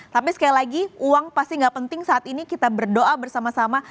tapi sekali lagi uang pasti nggak penting saat ini kita berdoa bersama sama